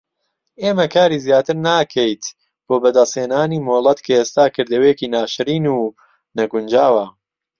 ئێمە کاری زیاتر ناکەیت بۆ بەدەستهێنانی مۆڵەت کە ئێستا کردەوەیەکی ناشرین و نەگونجاوە.